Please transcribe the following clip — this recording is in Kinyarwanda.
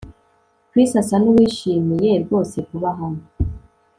Chris asa nuwishimiye rwose kuba hano